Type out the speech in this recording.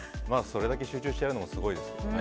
それだけ集中してやるのもすごいですよね。